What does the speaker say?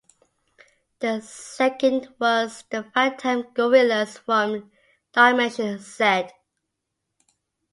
The second was The Phantom Gorillas from Dimension-Z!